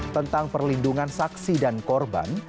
tentang perlindungan saksi dan korban